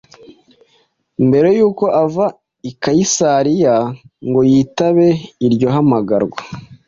Mbere y’uko ava i Kayisariya ngo yitabe iryo hamagarwa,